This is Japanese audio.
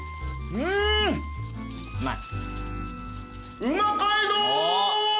うんうまい！